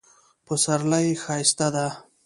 پسرلی ښایسته ده